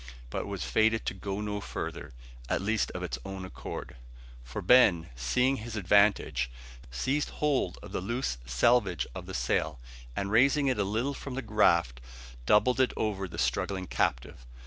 But it was fated to go no farther, at least of its own accord; for Ben seeing his advantage, seized hold of the loose selvage of the sail, and raising it a little from the raft, doubled it over the struggling captive.